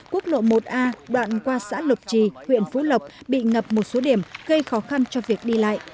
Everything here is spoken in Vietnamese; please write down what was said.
quốc lộ một a đoạn qua xã lục trì huyện phú lộc bị ngập một số điểm gây khó khăn cho việc đi lại